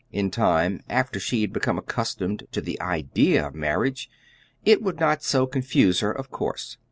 In time, after she had become accustomed to the idea of marriage, it would not so confuse her, of course.